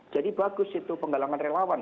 jadi bagus itu penggalangan relawan